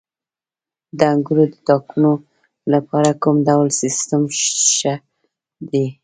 د انګورو د تاکونو لپاره کوم ډول سیستم ښه دی؟